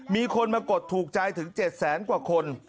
มีคนมากดถูกใจถึง๗แสนกว่าคน